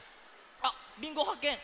あっ「りんご」はっけん！